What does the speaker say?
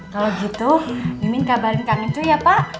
kalau gitu min kabarin kangen cuy ya pak